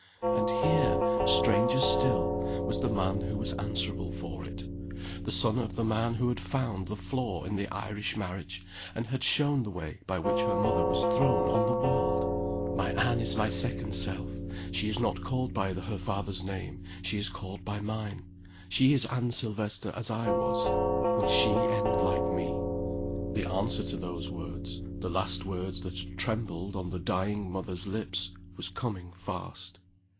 And here, stranger still, was the man who was answerable for it the son of the man who had found the flaw in the Irish marriage, and had shown the way by which her mother was thrown on the world! "My Anne is my second self. She is not called by her father's name; she is called by mine. She is Anne Silvester as I was. Will she end like Me?" The answer to those words the last words that had trembled on the dying mother's lips was coming fast.